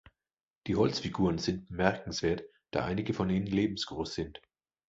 Die Holzfiguren sind bemerkenswert, da einige von ihnen lebensgroß sind.